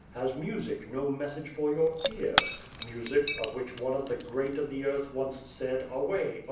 Has music no message for your ear? music, of which one of the great of the earth once said, 'Away!